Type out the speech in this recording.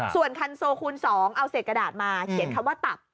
ส่วนคันโซคูณ๒เอาเศษกระดาษมาเขียนคำว่าตับ